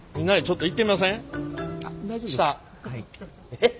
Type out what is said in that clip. えっ？